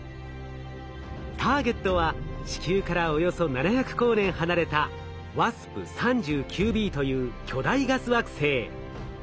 ターゲットは地球からおよそ７００光年離れたＷＡＳＰ−３９ｂという巨大ガス惑星。